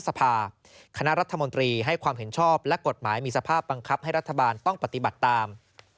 สภาคณะรัฐมนตรีให้ความเห็นชอบและกฎหมายมีสภาพบังคับให้รัฐบาลต้องปฏิบัติตาม